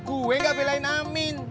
gue gak belain amin